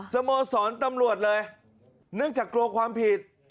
สโมสรตำรวจเลยเนื่องจากกลัวความผิด